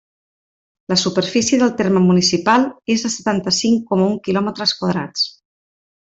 La superfície del terme municipal és de setanta-cinc coma un quilòmetres quadrats.